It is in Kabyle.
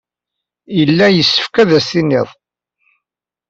Yella yessefk ad as-t-tiniḍ.